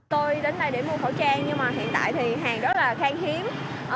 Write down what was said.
tôi đến đây để mua khẩu trang nhưng mà hiện tại thì hàng rất là khang hiếm